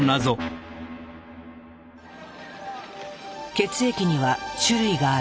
血液には種類がある。